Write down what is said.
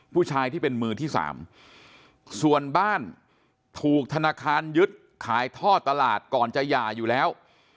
ผู้ชายที่เป็นมือที่สามส่วนบ้านถูกธนาคารยึดขายท่อตลาดก่อนจะหย่าอยู่แล้ว